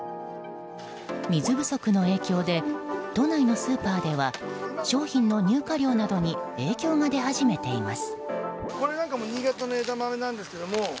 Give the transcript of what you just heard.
水不足の影響で都内のスーパーでは商品の入荷量などに影響が出始めています。